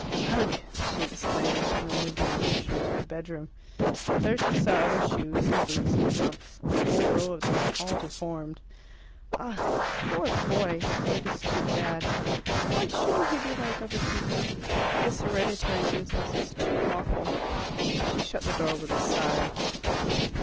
"Ugh!" she exclaimed, and removed them gingerly to the bedroom. There she saw other shoes and boots and pumps, a whole row of them, all deformed. "Ugh! Poor boy! It is too bad. Why shouldn't he be like other people? This hereditary business is too awful." She shut the door with a sigh.